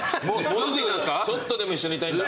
ちょっとでも一緒にいたいんだ。